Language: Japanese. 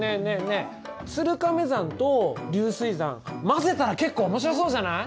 え鶴亀算と流水算混ぜたら結構面白そうじゃない？